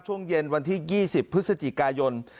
ช่วงเย็นวันที่๒๐พฤศจิกายน